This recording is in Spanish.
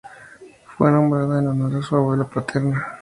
Fue nombrada en honor a su abuela paterna.